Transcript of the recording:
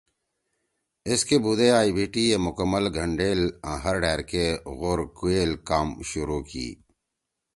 ایسکے بُودے ائی بی ٹی اے مکمل گھنڈیل آں ہر ڈھأر کے غورکوئیل کام شروع کی۔